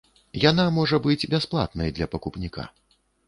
Яна можа быць бясплатнай для пакупніка.